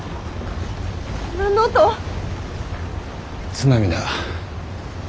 津波だ。